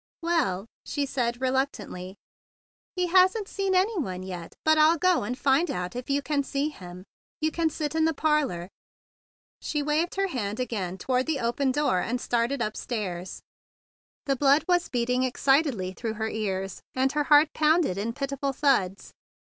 "Well," she said reluctantly, "he hasn't seen any one yet; but I'll go and find out if you can see him. You can sit in the parlor." She waved her hand THE BIG BLUE SOLDIER 163 again toward the open door, and started up stairs. The blood was beating excitedly through her ears, and her heart pounded in pitiful thuds.